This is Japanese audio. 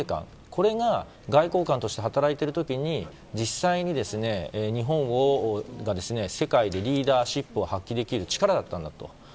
これが外交官として働いている時実際に日本が世界でリーダーシップを発揮できる力だったんだと。